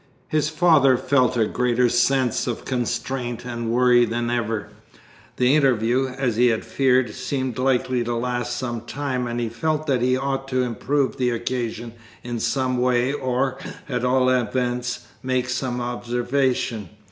His father felt a greater sense of constraint and worry than ever; the interview, as he had feared, seemed likely to last some time, and he felt that he ought to improve the occasion in some way, or, at all events, make some observation.